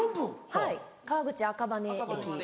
はい川口赤羽駅すぐ。